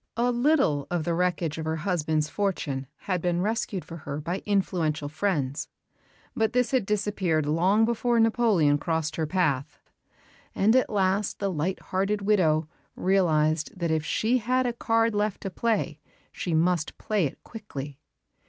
A little of the wreckage of her husband's fortune had been rescued for her by influential friends; but this had disappeared long before Napoleon crossed her path. And at last the light hearted widow realised that if she had a card left to play, she must play it quickly.